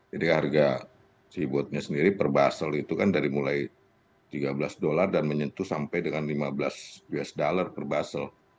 jadi harga si botnya sendiri per basel itu kan dari mulai tiga belas dolar dan menyentuh sampai dengan lima belas usd per basel